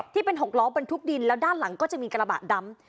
ที่เป็นหกล้อบรรทุกดินแล้วด้านหลังก็จะมีกระบะดำ